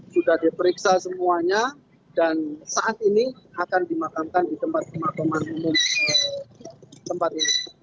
sudah diperiksa semuanya dan saat ini akan dimakamkan di tempat pemakaman umum tempat ini